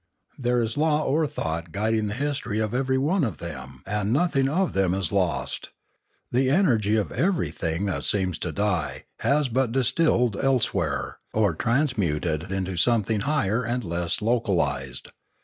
There is law or thought guiding the his tory of every one of them and nothing of them is lost; the energy of everything that seems to die has but dis tilled elsewhere, or transmuted into something higher and less localised.